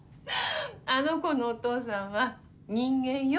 あの子のお父さんは人間よ。